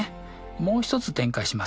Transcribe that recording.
もう一つ展開します。